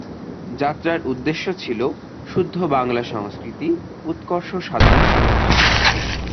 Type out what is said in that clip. যাত্রার উদ্দেশ্য ছিল শুদ্ধ বাংলা সংস্কৃতির উৎকর্ষ সাধনের প্রয়াস।